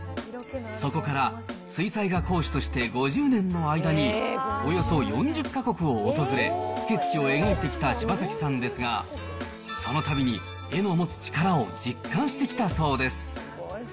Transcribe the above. そこから水彩画講師として５０年の間に、およそ４０か国を訪れ、スケッチを描いてきた柴崎さんですが、そのたびに絵の持つ力を実感してきたそうです。